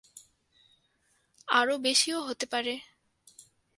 আরো বেশীও হতে পারে।